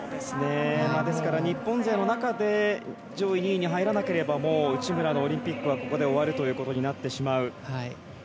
日本勢の中で上位２位に入らなければもう内村のオリンピックはここで終わるということになってしまう。